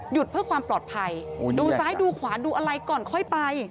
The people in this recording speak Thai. เพื่อความปลอดภัยดูซ้ายดูขวาดูอะไรก่อนค่อยไป